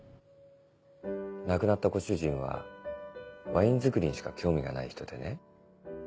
亡くなったご主人はワイン造りにしか興味がない人でね。